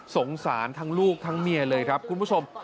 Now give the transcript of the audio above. สงสารทั้งลูกทั้งเมียเลยครับคุณผู้ชม